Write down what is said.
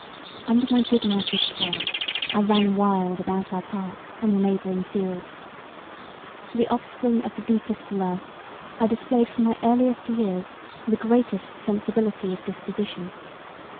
Under my good nurse's care I ran wild about our park and the neighbouring fields. The offspring of the deepest love I displayed from my earliest years the greatest sensibility of disposition.